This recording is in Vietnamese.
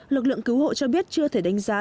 lực lượng cứu hộ cho biết chưa thể đánh giá